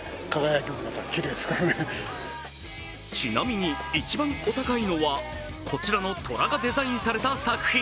ちなみに、一番お高いのは、こちらの虎がデザインされた作品。